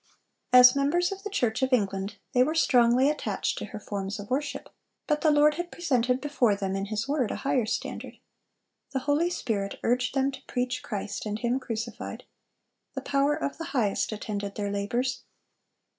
As members of the Church of England, they were strongly attached to her forms of worship, but the Lord had presented before them in His word a higher standard. The Holy Spirit urged them to preach Christ and Him crucified. The power of the Highest attended their labors.